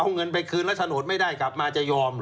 เอาเงินไปคืนแล้วโฉนดไม่ได้กลับมาจะยอมเหรอ